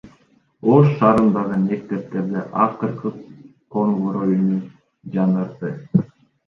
Ош шаарындагы мектептерде акыркы коңгуроо үнү жаңырды.